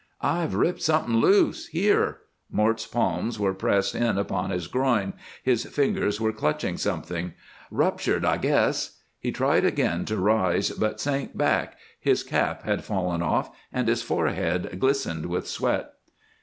"I've ripped something loose here." Mort's palms were pressed in upon his groin, his fingers were clutching something. "Ruptured I guess." He tried again to rise, but sank back. His cap had fallen off and his forehead glistened with sweat.